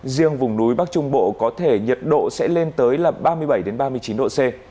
riêng vùng núi bắc trung bộ có thể nhiệt độ sẽ lên tới là ba mươi bảy ba mươi chín độ c